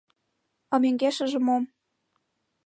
— А мӧҥгешыже мом?